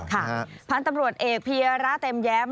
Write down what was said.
พันธุ์ตำรวจเอกเพียระเต็มแย้ม